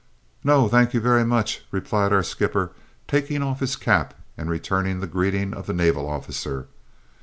"No, thank you very much," replied our skipper, taking off his cap and returning the greeting of the naval officer.